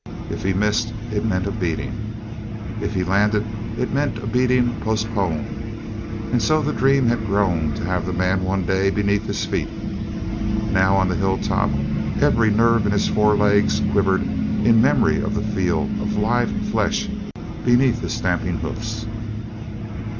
If he missed it meant a beating; if he landed it meant a beating postponed; and so the dream had grown to have the man one day beneath his feet. Now, on the hilltop, every nerve in his forelegs quivered in memory of the feel of live flesh beneath his stamping hoofs.